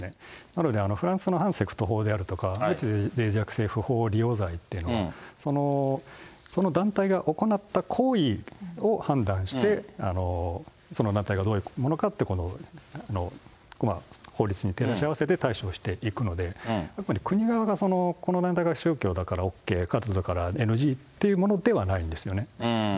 なので、フランスの反セクト法であるとか、っていうのは、その団体が行った行為を判断して、その団体がどういうものかって、法律に照らし合わせて対処をしていくので、やっぱり国側が、この団体が宗教だからＯＫ、カルトだからＮＧっていうものではないんですよね。